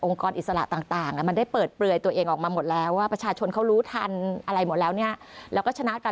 องค์กรอิสระต่างมันได้เปิดเปลื่อยตัวเองออกมาหมดแล้ว